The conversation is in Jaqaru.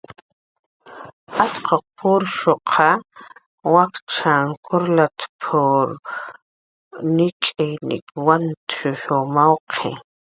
"Atquq wakchan kurralp""r purshuq nik'iy nik' wakchw wantshush mawqi"